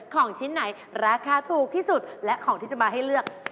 ของชิ้นไหนราคาถูกที่สุดและของที่จะมาให้เลือก